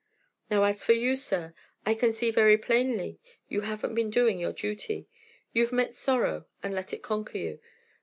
Now as for you, sir, I can see very plainly you haven't been doing your duty. You've met sorrow and let it conquer you.